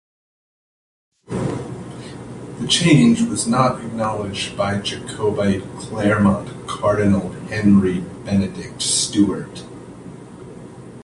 The change was not acknowledged by Jacobite claimant Cardinal Henry Benedict Stuart.